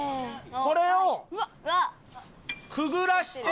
これをくぐらせて。